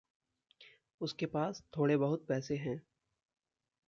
उसके पास थोड़े-बहुत पैसे हैं।